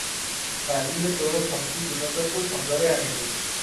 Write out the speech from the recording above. ପାରିଲେ ତୋର ସଙ୍ଗୀ ବିନୋଦକୁ ସଙ୍ଗରେ ଆଣିବୁ ।